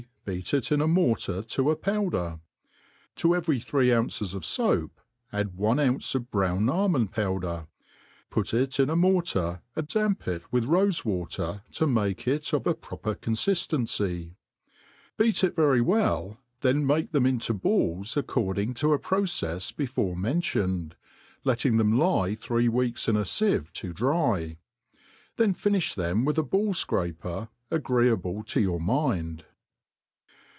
beat it in a mortar to a powder \ to every three ounces of: foap add one ounce of brown almond |>owder ; put it in a mortar, and damp it with rofe water, to make it of a proper confiftency \ beat it very well, then make them into balls according to a procefs before mentioned, ktting them lie thr^e weeks in si fieve to dry ; then finilh them with a ball fcraper, agiteabM to your mind.